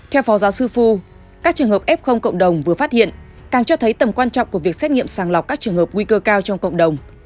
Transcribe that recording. theo phó giáo sư phu các trường hợp f cộng đồng vừa phát hiện càng cho thấy tầm quan trọng của việc xét nghiệm sàng lọc các trường hợp nguy cơ cao trong cộng đồng